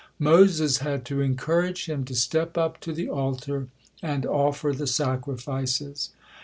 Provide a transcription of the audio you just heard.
Moses had to encourage him to step up to the altar and offer the sacrifices.